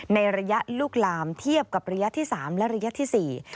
ในระยะลุกลามเทียบกับระยะที่๓และระยะที่๔